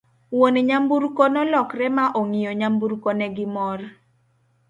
wuon nyamburko nolokore ma ong'iyo nyamburko ne gi mor